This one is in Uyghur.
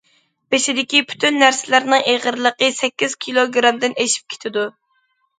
بېشىدىكى پۈتۈن نەرسىلەرنىڭ ئېغىرلىقى سەككىز كىلوگىرامدىن ئېشىپ كېتىدۇ.